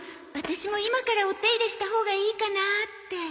ワタシも今からお手入れしたほうがいいかなって。